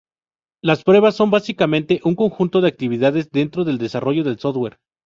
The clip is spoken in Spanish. Las pruebas son básicamente un conjunto de actividades dentro del desarrollo de software.